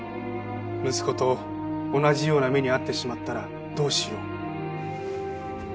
息子と同じような目に遭ってしまったらどうしよう。